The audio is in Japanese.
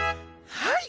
はい。